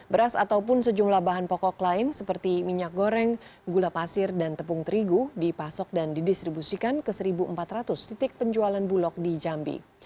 beras ataupun sejumlah bahan pokok lain seperti minyak goreng gula pasir dan tepung terigu dipasok dan didistribusikan ke satu empat ratus titik penjualan bulog di jambi